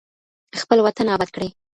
خپل وطن اباد کړئ.